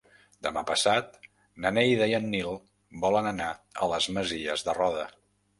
Demà passat na Neida i en Nil volen anar a les Masies de Roda.